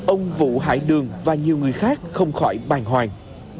ông vũ hải đường và nhiều người khác không khỏi bàn hoàng